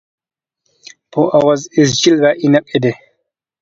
بۇ ئاۋاز ئىزچىل ۋە ئېنىق ئىدى.